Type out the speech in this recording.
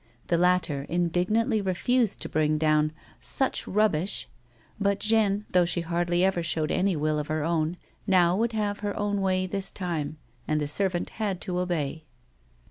The latter indignantly refused to bring down " such rubbish," but Jeanne, thougli she hardly ever showed any will of her own, now would have her own way this time, and the servant had to obey.